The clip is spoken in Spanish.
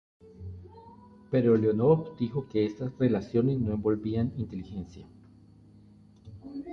Pero Leonov dijo que estas relaciones no envolvían inteligencia.